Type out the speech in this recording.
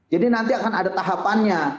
jadi nanti akan ada tahapannya